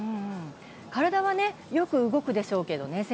体はよく動くでしょうけどね。